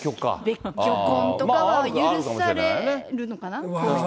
別居婚とかは許されるのかな？